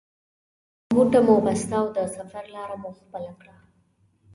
غوټه مو بسته او د سفر لاره مو خپله کړه.